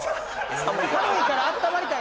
寒いからあったまりたい？